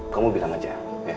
kamu bilang aja ya